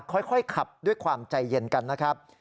ค่อยขับด้วยความใจเย็นกันนะครับ